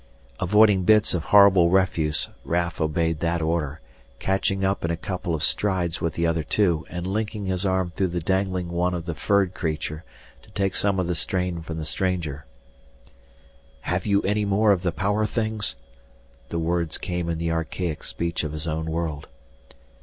Avoiding bits of horrible refuse, Raf obeyed that order, catching up in a couple of strides with the other two and linking his arm through the dangling one of the furred creature to take some of the strain from the stranger. "Have you any more of the power things?" the words came in the archaic speech of his own world.